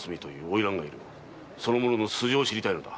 その者の素性を知りたいのだ。